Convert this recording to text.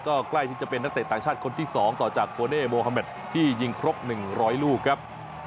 ก็ใกล้ที่จะเป็นนักเตะต่างชาติคนที่๒ต่อจากโคเน่โมฮาเมดที่ยิงครบ๑๐๐ลูกครับ